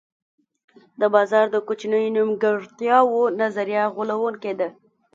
د بازار د کوچنیو نیمګړتیاوو نظریه غولوونکې ده.